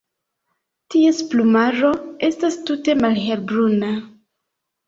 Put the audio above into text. Ties plumaro estas tute malhelbruna.